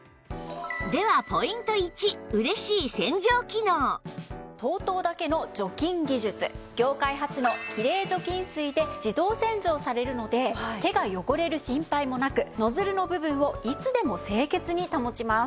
では ＴＯＴＯ だけの除菌技術業界初の「きれい除菌水」で自動洗浄されるので手が汚れる心配もなくノズルの部分をいつでも清潔に保ちます。